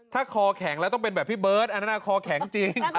ถ้าคอแข็งแล้วต้องเป็นแบบพี่เบิร์ตอันนั้นคอแข็งจริง